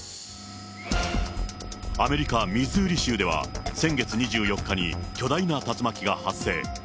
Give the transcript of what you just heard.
アメリカ・ミズーリ州では、先月２４日に、巨大な竜巻が発生。